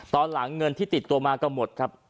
ตอนหลังเงินที่ติดตัวมาก็หมดครับ